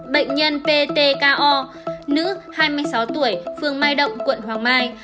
bệnh nhân ptko nữ hai mươi sáu tuổi phường mai động quận hoàng mai